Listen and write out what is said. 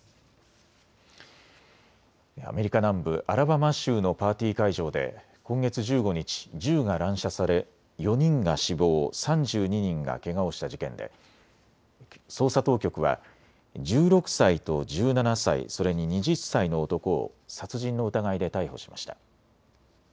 アメリカ南部アラバマ州のパーティー会場で今月１５日、銃が乱射され４人が死亡、３２人がけがをした事件で捜査当局は１６歳と１７歳、それに２０歳の男を殺人の疑いで逮捕しました。